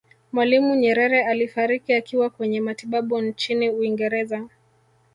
mwalimu nyerere alifariki akiwa kwenye matibabu nchini uingereza